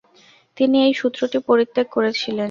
তিনি এই সূত্রটি পরিত্যাগ করেছিলেন।